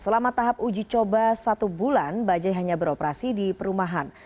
selama tahap uji coba satu bulan bajai hanya beroperasi di perumahan